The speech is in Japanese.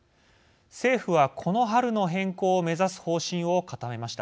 政府は、この春の変更を目指す方針を固めました。